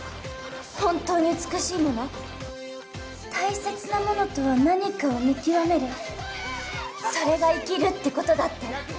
［本当に美しいもの大切なものとは何かを見極めるそれが生きるってことだって］